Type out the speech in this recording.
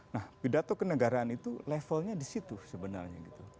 nah pidato kenegaraan itu levelnya di situ sebenarnya gitu